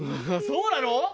そうなの！？